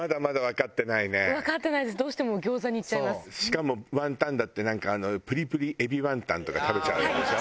しかもワンタンだってなんかあのプリプリエビワンタンとか食べちゃうんでしょ？